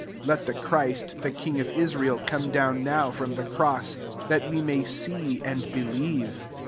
32 Let the Christ, the king of Israel, come down now horn the cross, that we may see and believe."